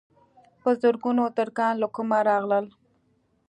په زرګونو ترکان له کومه راغلل.